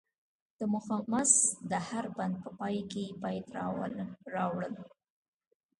د مخمس د هر بند په پای کې بیت راوړل.